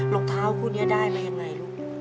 รองเท้าคู่นี้ได้มายังไงลูก